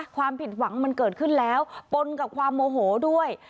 ความผิดหวังมันเกิดขึ้นแล้วปนกับความโมโหด้วย